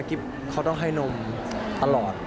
เขาต้องให้นมตลอด